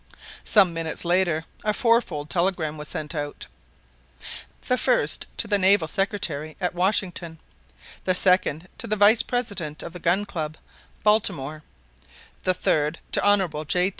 Some minutes later a fourfold telegram was sent out—the first to the Naval Secretary at Washington; the second to the vice president of the Gun Club, Baltimore; the third to the Hon. J.